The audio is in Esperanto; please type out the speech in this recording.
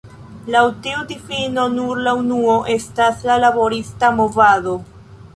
Laŭ tiu difino, nur la unuo estas la "laborista movado".